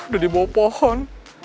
udah dibawa pohon